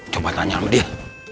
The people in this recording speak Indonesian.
coba tanya sama dia